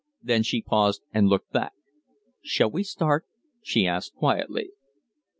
Then she paused and looked back. "Shall we start?" she asked, quietly.